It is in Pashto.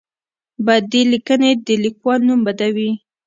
بدې لیکنې د لیکوال نوم بدوي.